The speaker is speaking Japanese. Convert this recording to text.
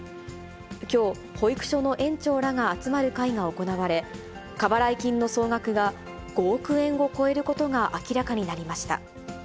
きょう、保育所の園長らが集まる会が行われ、過払い金の総額が５億円を超えることが明らかになりました。